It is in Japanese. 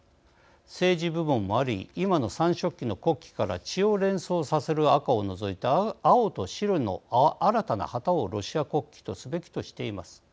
政治部門もあり今の三色旗の国旗から血を連想させる赤を除いた青と白の新たな旗をロシア国旗とすべきとしています。